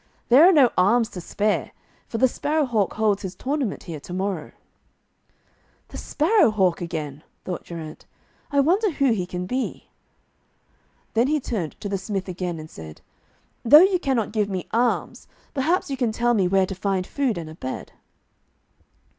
'There are no arms to spare, for the Sparrow hawk holds his tournament here to morrow.' 'The Sparrow hawk again!' thought Geraint. 'I wonder who he can be.' Then he turned to the smith again and said, 'Though you cannot give me arms, perhaps you can tell me where to find food and a bed.'